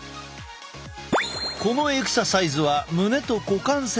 このエクササイズは胸と股関節は動かす。